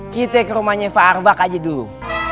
kita ke rumahnya pak arbak aja dulu